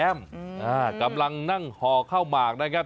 กำลังนั่งห่อข้าวหมากนะครับ